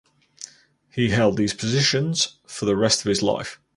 He held these positions for the rest of his life.